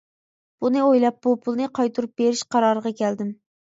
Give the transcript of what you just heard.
بۇنى ئويلاپ بۇ پۇلنى قايتۇرۇپ بېرىش قارارىغا كەلدىم.